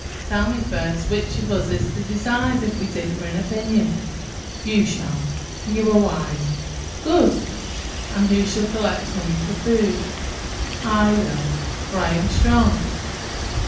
"Tell me first which of us is to decide, if we differ in opinion?" "You shall; for you are wise." "Good! And who shall collect honey for food?" "I will; for I am strong."